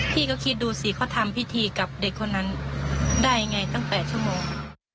พี่ก็คิดดูสิเขาทำพิธีกับเด็กคนนั้นได้ยังไงตั้ง๘ชั่วโมง